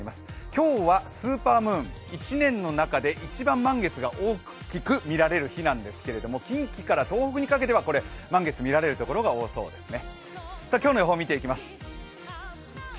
今日はスーパームーン、１年の中で一番満月が大きく見える日なんですが近畿から東北にかけては満月、見られるところが多そうですね。